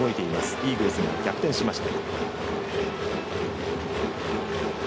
イーグルスが逆転しました。